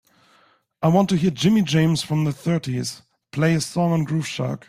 I want to hear Jimmy James from the thirties, play a song on Groove Shark.